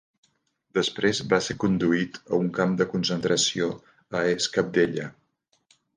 Després va ser conduït a un camp de concentració a es Capdellà.